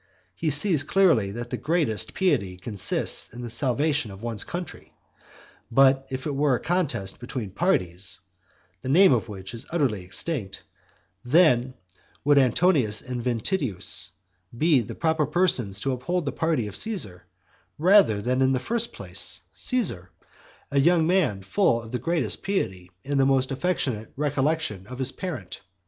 He sees clearly that the greatest piety consists in the salvation of one's country. But if it were a contest between parties, the name of which is utterly extinct, then would Antonius and Ventidius be the proper persons to uphold the party of Caesar, rather than in the first place, Caesar, a young man full of the greatest piety and the most affectionate recollection of his parent?